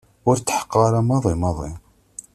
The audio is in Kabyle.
Ur tḥeqqeɣ ara maḍi maḍi.